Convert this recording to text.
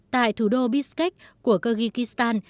tại thủ đô bishkek của kyrgyzstan